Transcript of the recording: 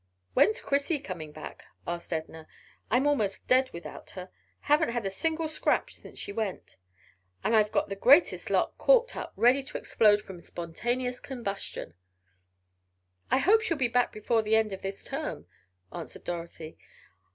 "When's Chrissy coming back?" asked Edna. "I'm almost dead without her. Haven't had a single scrap since she went. And I've got the greatest lot corked up ready to explode from spontaneous combustion." "I hope she'll be back before the end of this term," answered Dorothy.